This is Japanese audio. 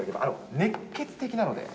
熱ケツ的なので。